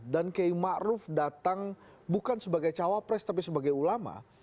dan kay ma'ruf datang bukan sebagai cawa pres tapi sebagai ulama